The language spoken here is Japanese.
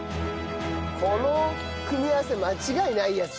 この組み合わせ間違いないやつじゃん。